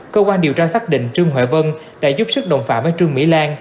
cơ quan điều tra xác định trương huệ vân đã giúp sức đồng phạm với trương mỹ lan